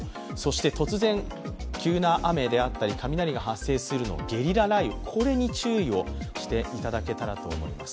突然、急な雨であったり雷が発生するゲリラ雷雨、これに注意をしていただけたらと思います。